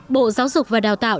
bộ giáo dục và đào tạo